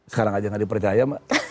sekarang aja gak dipercaya